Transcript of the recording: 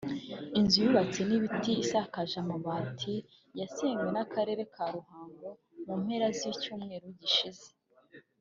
Inzu yubatse n’ibiti isakaje amabati yasenywe n’Akarere ka Ruhango mu mpera z’icyumweru gishize